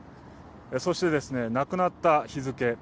そして亡くなった日付